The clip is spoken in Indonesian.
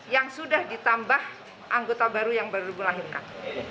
yang sudah ditambah anggota baru yang baru melahirkan